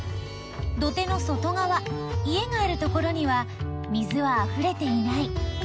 土手の外がわ家があるところには水はあふれていない。